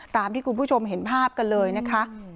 ตามที่คุณผู้ชมเห็นภาพกันเลยนะคะ